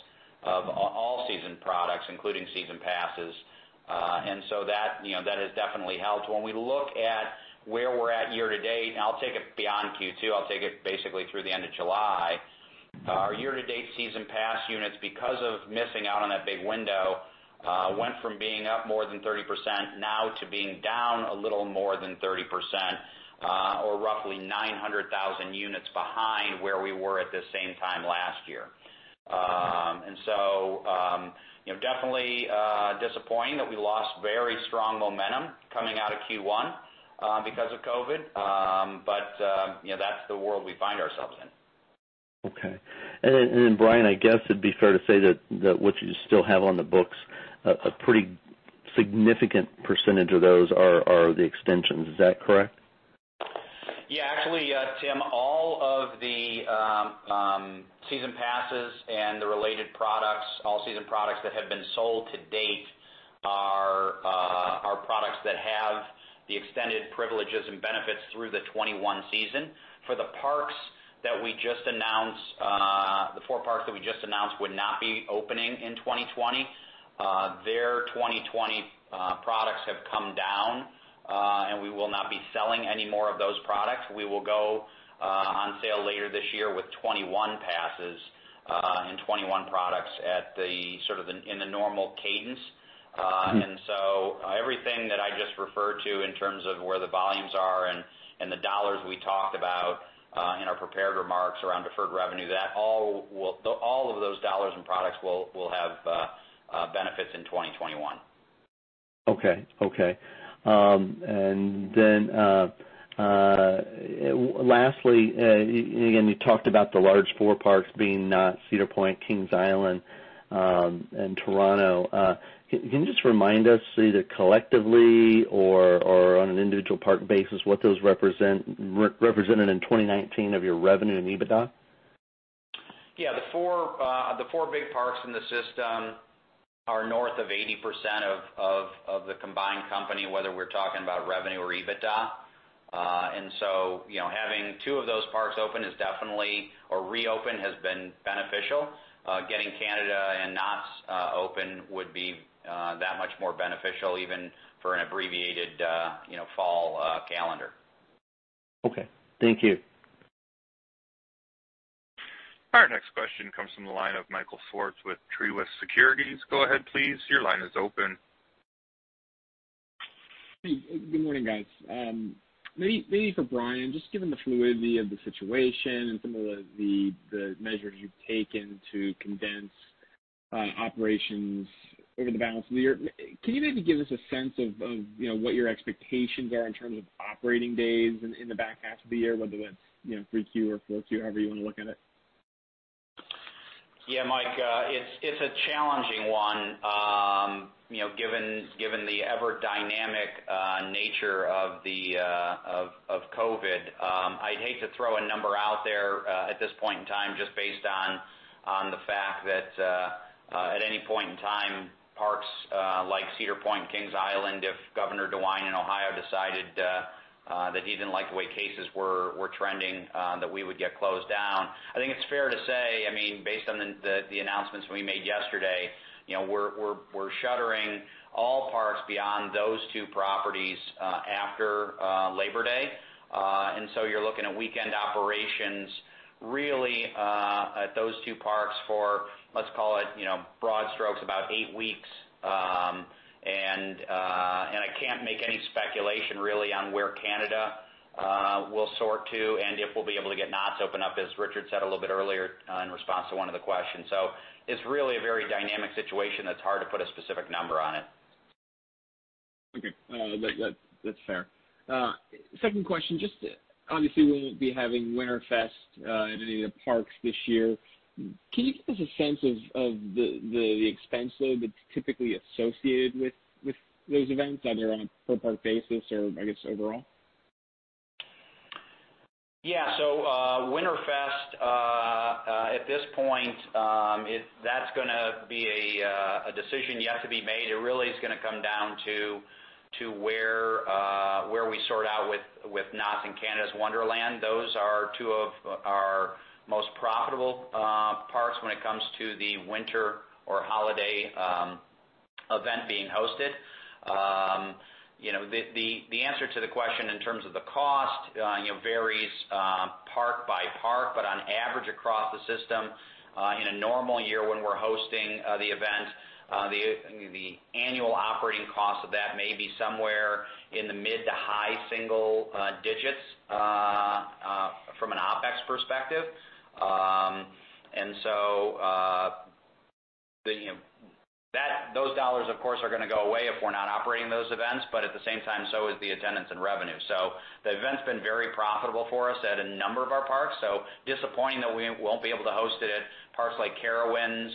of all season products, including season passes. And so that, you know, that has definitely helped. When we look at where we're at year to date, and I'll take it beyond Q2, I'll take it basically through the end of July. Our year-to-date season pass units, because of missing out on that big window, went from being up more than 30% now to being down a little more than 30%, or roughly 900,000 units behind where we were at the same time last year. And so, you know, definitely, disappointing that we lost very strong momentum coming out of Q1, because of COVID. But, you know, that's the world we find ourselves in. Okay. And then, Brian, I guess it'd be fair to say that what you still have on the books, a pretty significant percentage of those are the extensions. Is that correct? Yeah. Actually, Tim, all of the season passes and the related products, all season products that have been sold to date are products that have the extended privileges and benefits through the 2021 season. For the parks that we just announced, the four parks that we just announced would not be opening in 2020, their 2020 products have come down, and we will not be selling any more of those products. We will go on sale later this year with 2021 passes, and 2021 products at the, sort of in the normal cadence. Mm-hmm. and so everything that I just referred to in terms of where the volumes are and the dollars we talked about in our prepared remarks around deferred revenue, that all will all of those dollars and products will have benefits in 2021. Okay, okay. And then, lastly, again, you talked about the large four parks being Cedar Point, Kings Island, and Toronto. Can you just remind us either collectively or, or on an individual park basis, what those represent, represented in 2019 of your revenue and EBITDA? Yeah, the four big parks in the system are north of 80% of the combined company, whether we're talking about revenue or EBITDA. And so, you know, having two of those parks open is definitely, or reopened, has been beneficial. Getting Canada and Knott's open would be that much more beneficial, even for an abbreviated, you know, fall calendar. Okay, thank you. Our next question comes from the line of Michael Swartz with Truist Securities. Go ahead, please. Your line is open. Good morning, guys. Maybe for Brian, just given the fluidity of the situation and some of the measures you've taken to condense operations over the balance of the year, can you maybe give us a sense of, you know, what your expectations are in terms of operating days in the back half of the year, whether that's, you know, 3Q or 4Q, however you want to look at it? Yeah, Mike, it's a challenging one. You know, given the ever dynamic nature of COVID, I'd hate to throw a number out there at this point in time, just based on the fact that at any point in time, parks like Cedar Point and Kings Island, if Governor DeWine in Ohio decided that he didn't like the way cases were trending, that we would get closed down. I think it's fair to say, I mean, based on the announcements we made yesterday, you know, we're shuttering all parks beyond those two properties after Labor Day. And so you're looking at weekend operations, really, at those two parks for, let's call it, you know, broad strokes, about eight weeks. I can't make any speculation really on where Canada will sort to and if we'll be able to get Knott's open up, as Richard said a little bit earlier in response to one of the questions. It's really a very dynamic situation that's hard to put a specific number on it. Okay, that's fair. Second question, just obviously we won't be having WinterFest at any of the parks this year. Can you give us a sense of the expense load that's typically associated with those events, either on a per park basis or I guess overall? Yeah. So, WinterFest, at this point, that's gonna be a decision yet to be made. It really is gonna come down to where we sort out with Knott's and Canada's Wonderland. Those are two of our most profitable parks when it comes to the winter or holiday event being hosted. You know, the answer to the question in terms of the cost, you know, varies park by park, but on average, across the system, in a normal year, when we're hosting the event, the annual operating cost of that may be somewhere in the mid- to high-single digits from an OpEx perspective... Those dollars, of course, are gonna go away if we're not operating those events, but at the same time, so is the attendance and revenue. So the event's been very profitable for us at a number of our parks, so disappointing that we won't be able to host it at parks like Carowinds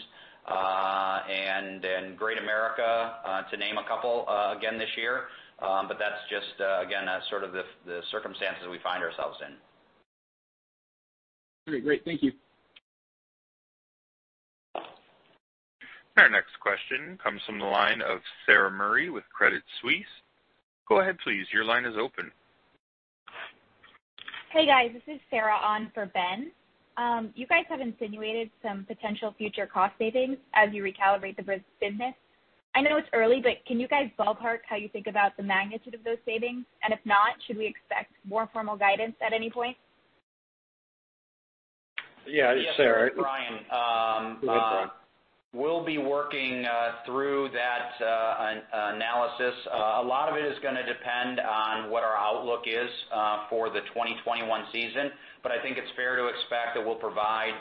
and Great America, to name a couple, again this year. But that's just, again, that's sort of the circumstances we find ourselves in. Great. Great, thank you. Our next question comes from the line of Sarah Murray with Credit Suisse. Go ahead, please. Your line is open. Hey, guys, this is Sarah on for Ben. You guys have insinuated some potential future cost savings as you recalibrate the business. I know it's early, but can you guys ballpark how you think about the magnitude of those savings? And if not, should we expect more formal guidance at any point? Yeah, Sarah, it's Brian. Go ahead, Brian. We'll be working through that analysis. A lot of it is gonna depend on what our outlook is for the 2021 season. But I think it's fair to expect that we'll provide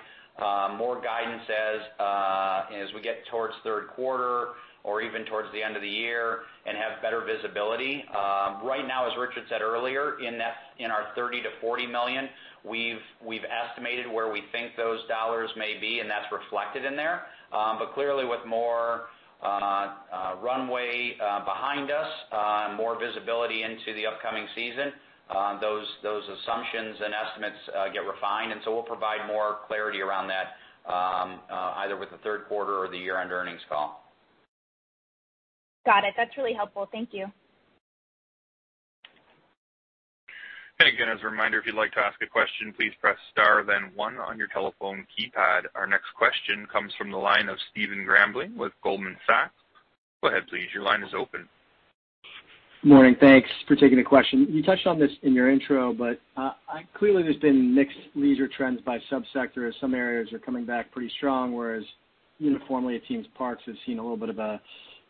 more guidance as we get towards third quarter or even towards the end of the year and have better visibility. Right now, as Richard said earlier, in our $30 million-$40 million, we've estimated where we think those dollars may be, and that's reflected in there. But clearly, with more runway behind us and more visibility into the upcoming season, those assumptions and estimates get refined, and so we'll provide more clarity around that, either with the third quarter or the year-end earnings call. Got it. That's really helpful. Thank you. Hey, again, as a reminder, if you'd like to ask a question, please press star then one on your telephone keypad. Our next question comes from the line of Stephen Grambling with Goldman Sachs. Go ahead, please. Your line is open. Morning. Thanks for taking the question. You touched on this in your intro, but clearly there's been mixed leisure trends by sub-sector. Some areas are coming back pretty strong, whereas uniformly, it seems parks have seen a little bit of a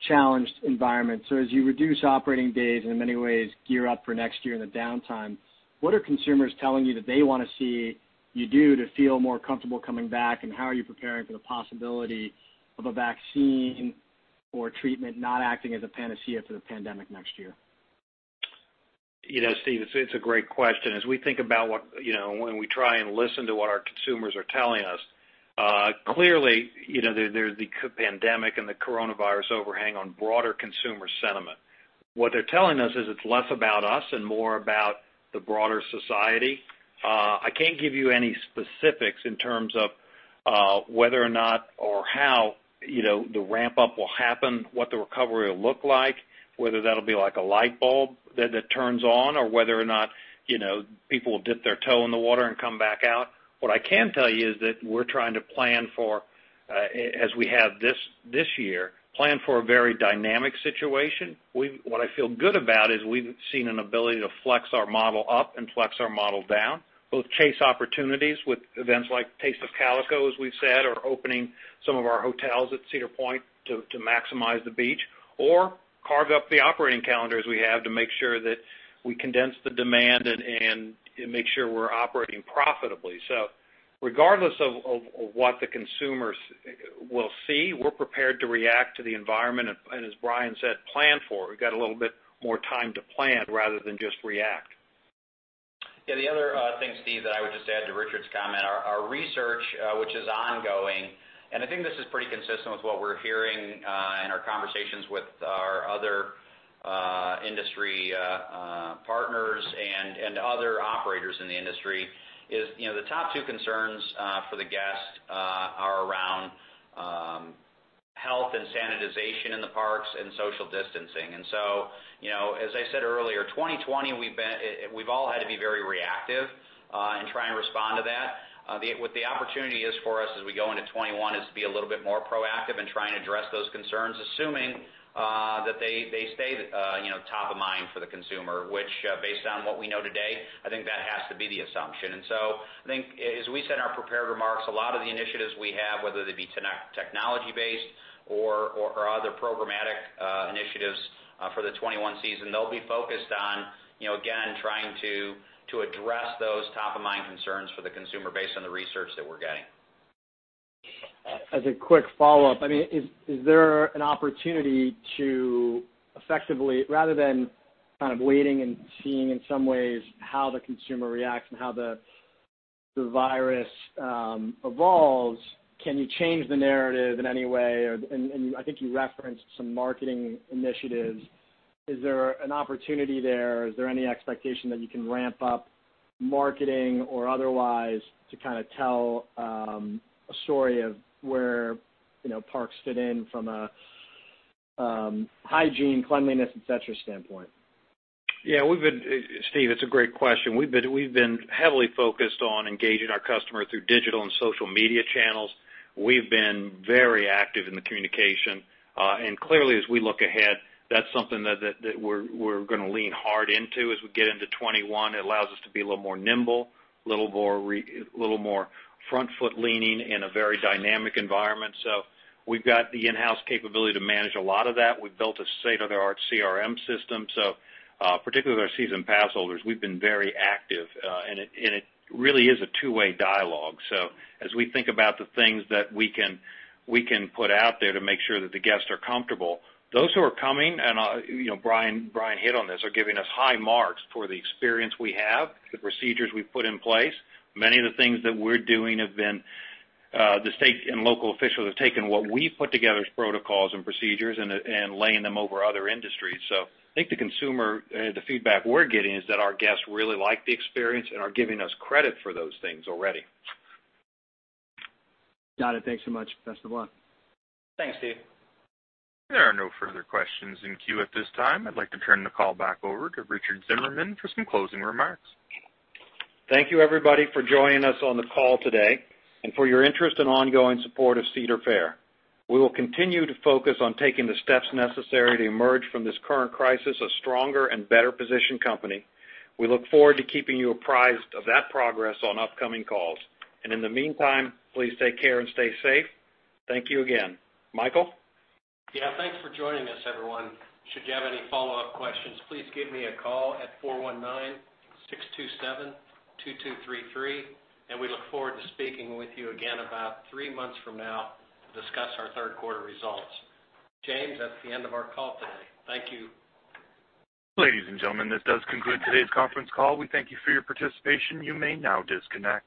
challenged environment. So as you reduce operating days and in many ways gear up for next year in the downtime, what are consumers telling you that they wanna see you do to feel more comfortable coming back? And how are you preparing for the possibility of a vaccine or treatment not acting as a panacea to the pandemic next year? You know, Steve, it's a great question. As we think about what, you know, when we try and listen to what our consumers are telling us, clearly, you know, there, there's the COVID pandemic and the coronavirus overhang on broader consumer sentiment. What they're telling us is it's less about us and more about the broader society. I can't give you any specifics in terms of whether or not or how, you know, the ramp up will happen, what the recovery will look like, whether that'll be like a light bulb that turns on, or whether or not, you know, people will dip their toe in the water and come back out. What I can tell you is that we're trying to plan for, as we have this year, plan for a very dynamic situation. What I feel good about is we've seen an ability to flex our model up and flex our model down, both chase opportunities with events like Taste of Calico, as we've said, or opening some of our hotels at Cedar Point to maximize the beach, or carve up the operating calendar as we have to make sure that we condense the demand and make sure we're operating profitably. So regardless of what the consumers will see, we're prepared to react to the environment, and as Brian said, plan for. We've got a little bit more time to plan rather than just react. Yeah, the other thing, Steve, that I would just add to Richard's comment, our research, which is ongoing, and I think this is pretty consistent with what we're hearing in our conversations with our other industry partners and other operators in the industry is, you know, the top two concerns for the guests are around health and sanitization in the parks and social distancing. And so, you know, as I said earlier, 2020, we've all had to be very reactive in trying to respond to that. What the opportunity is for us as we go into 2021 is to be a little bit more proactive in trying to address those concerns, assuming that they stay, you know, top of mind for the consumer, which, based on what we know today, I think that has to be the assumption. And so I think as we said in our prepared remarks, a lot of the initiatives we have, whether they be technology-based or other programmatic initiatives, for the 2021 season, they'll be focused on, you know, again, trying to address those top-of-mind concerns for the consumer based on the research that we're getting. As a quick follow-up, I mean, is there an opportunity to effectively, rather than kind of waiting and seeing, in some ways, how the consumer reacts and how the virus evolves, can you change the narrative in any way? Or and I think you referenced some marketing initiatives. Is there an opportunity there? Is there any expectation that you can ramp up marketing or otherwise to kind of tell a story of where, you know, parks fit in from a hygiene, cleanliness, et cetera, standpoint? Yeah, we've been, Steve, it's a great question. We've been, we've been heavily focused on engaging our customer through digital and social media channels. We've been very active in the communication, and clearly, as we look ahead, that's something that we're gonna lean hard into as we get into 2021. It allows us to be a little more nimble, a little more front foot leaning in a very dynamic environment. So we've got the in-house capability to manage a lot of that. We've built a state-of-the-art CRM system, so, particularly with our season pass holders, we've been very active, and it really is a two-way dialogue. So as we think about the things that we can put out there to make sure that the guests are comfortable, those who are coming, and, you know, Brian hit on this, are giving us high marks for the experience we have, the procedures we've put in place. Many of the things that we're doing have been, the state and local officials have taken what we've put together as protocols and procedures and laying them over other industries. So I think the consumer, the feedback we're getting is that our guests really like the experience and are giving us credit for those things already. Got it. Thanks so much. Best of luck. Thanks, Steve. There are no further questions in queue at this time. I'd like to turn the call back over to Richard Zimmerman for some closing remarks. Thank you, everybody, for joining us on the call today and for your interest and ongoing support of Cedar Fair. We will continue to focus on taking the steps necessary to emerge from this current crisis a stronger and better-positioned company. We look forward to keeping you apprised of that progress on upcoming calls. And in the meantime, please take care and stay safe. Thank you again. Michael? Yeah, thanks for joining us, everyone. Should you have any follow-up questions, please give me a call at 419-627-2233, and we look forward to speaking with you again about three months from now to discuss our third quarter results. James, that's the end of our call today. Thank you. Ladies and gentlemen, this does conclude today's conference call. We thank you for your participation. You may now disconnect.